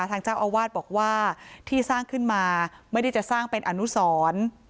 ทางเจ้าอาวาสบอกว่าที่สร้างขึ้นมาไม่ได้จะสร้างเป็นอนุสร